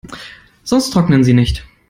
Sonst trocknen sie nicht.